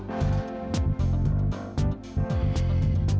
masih nanya lagi fadil